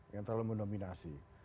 yang terlalu menominasi